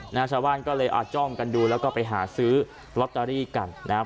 ชาวบ้านก็เลยอาจจ้องกันดูแล้วก็ไปหาซื้อลอตเตอรี่กันนะครับ